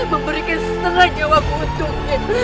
memberikan setengah jawab untuk itu